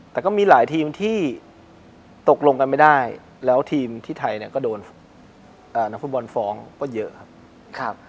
แต่ก็มีหลายทีมที่ตกลงกันไม่ได้แล้วทีมที่ไทยเนี่ยก็โดนนักฟุตบอลฟ้องก็เยอะครับ